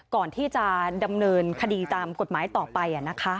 ก่อนที่จะดำเนินคดีตามกฎหมายต่อไป